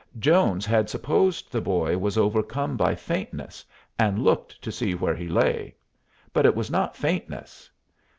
Jones had supposed the boy was overcome by faintness, and looked to see where he lay. But it was not faintness.